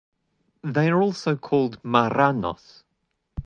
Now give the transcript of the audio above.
They are also called "Marranos".